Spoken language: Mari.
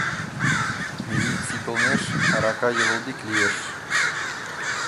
Милитсий толмеш, арака йывылдик лиеш.